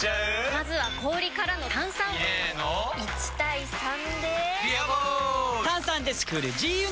まずは氷からの炭酸！入れの１：３で「ビアボール」！